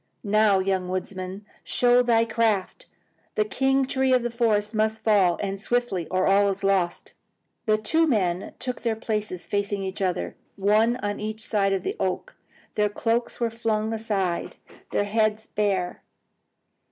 Now, young woodsman, show thy craft! The king tree of the forest must fall, and swiftly, or all is lost!" The two men took their places facing each other, one on each side of the oak. Their cloaks were flung aside, their heads bare.